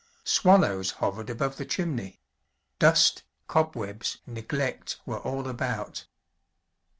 Swallows hovered above the chimney; dust, cobwebs, neglect were all about.